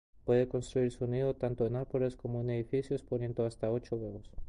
Puede construir su nido tanto en árboles como en edificios poniendo hasta ocho huevos.